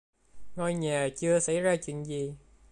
ngôi nhà chưa xảy ra chuyện gì